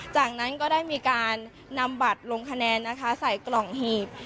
จากนั้นก็ได้มีการนำบัตรลงคะแนนนะคะใส่กล่องหีบ